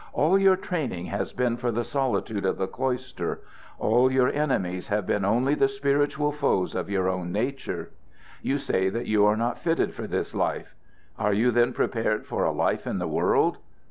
All your training has been for the solitude of the cloister. All your enemies have been only the spiritual foes of your own nature. You say that you are not fitted for this life. Are you then prepared for a life in the world?